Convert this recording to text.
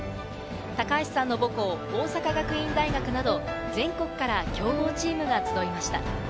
高橋さんの母校、大阪学院大学など、全国から強豪チームが集いました。